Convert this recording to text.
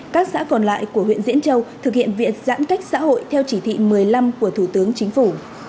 các xã còn lại của huyện diễn châu thực hiện việc giãn cách xã hội theo chỉ thị một mươi năm của thủ tướng chính phủ